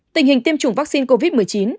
tình hình tiêm chủng vaccine covid một mươi chín